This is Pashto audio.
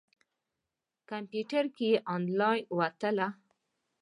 کمپیوټر کې یې انلاین وتله.